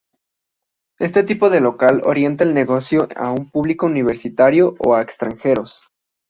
Este tipo de local orienta el negocio a un público universitario o a extranjeros.